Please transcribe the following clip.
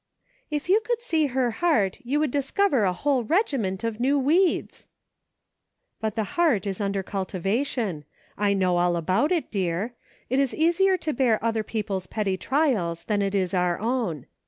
" If you could see her heart, you would discover a whole regiment of new weeds !". 284 A GREAT MANY "LITTLE THINGS." •' But the heart is under cultivation. I know all about it, dear; it is easier to bear other people's petty trials than it is our own.